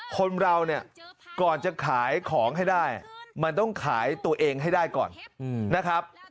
คนเราเนี่ยก่อนจะขายของให้ได้มันต้องขายตัวเองให้ได้ก่อนนะครับ